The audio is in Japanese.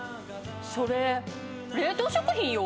それ冷凍食品よ。